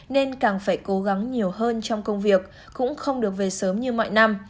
nên càng phải cố gắng nhiều hơn trong công việc cũng không được về sớm như mọi năm